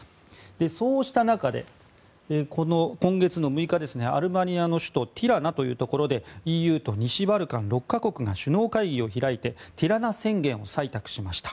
そうした中で、今月６日アルバニアの首都ティラナというところでＥＵと西バルカン６か国が首脳会議を開いてティラナ宣言を採択しました。